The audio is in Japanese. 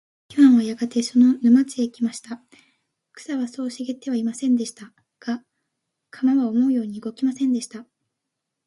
イワンはやがてその沼地へ来ました。草はそう茂ってはいませんでした。が、鎌は思うように動きませんでした。